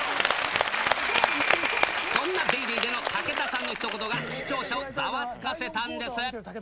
そんなＤａｙＤａｙ．での武田さんのひと言が視聴者をざわつかせたんです。